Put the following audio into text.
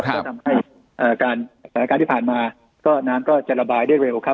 ก็ทำให้สถานการณ์ที่ผ่านมาก็น้ำก็จะระบายได้เร็วครับ